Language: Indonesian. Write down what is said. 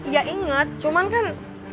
ya inget cuman kan